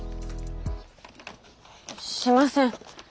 しません。